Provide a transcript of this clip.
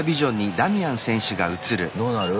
どうなる？